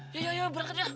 ya ya ya berangkat ya